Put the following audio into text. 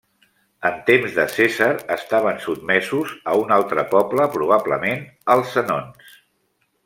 En temps de Cèsar estaven sotmesos a un altre poble, probablement als sènons.